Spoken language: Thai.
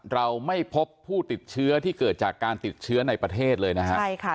เราไม่พบผู้ติดเชื้อที่เกิดจากการติดเชื้อในประเทศเลยนะฮะใช่ค่ะ